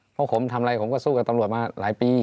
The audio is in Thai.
เพราะผมทำอะไรผมก็สู้กับตำรวจมาหลายปี